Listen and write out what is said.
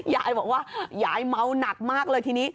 ยายบอกว่ายายเมาหนักมากเลยทีนี้